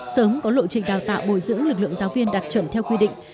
sớm có lộ trình đào tạo bồi dưỡng lực lượng giáo viên đặc trẩm theo quy định